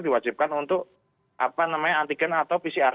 diwajibkan untuk apa namanya antigen atau pcr